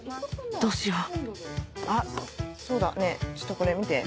どうしようあっそうだねぇちょっとこれ見て。